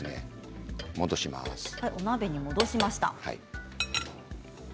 鍋に戻しました。